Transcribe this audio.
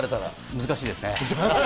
難しいですね。